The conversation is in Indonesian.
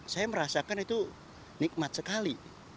saya merasakan itu nikmat sekali